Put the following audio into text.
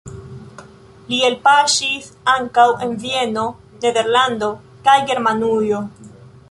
Li elpaŝis ankaŭ en Vieno, Nederlando kaj Germanujo.